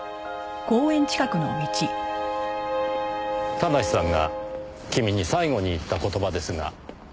田無さんが君に最後に言った言葉ですが。